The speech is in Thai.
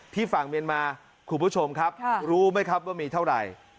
ฝั่งเมียนมาคุณผู้ชมครับรู้ไหมครับว่ามีเท่าไหร่